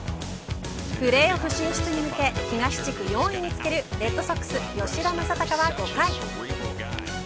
プレーオフ進出に向け東地区４位につけるレッドソックス吉田正尚は５回。